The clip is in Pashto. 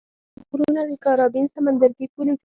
دا غرونه د کارابین سمندرګي پولې جوړوي.